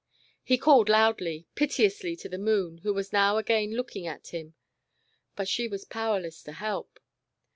He called loudly, piteously to the Moon, who was now again looking at him. But she was powerless to help.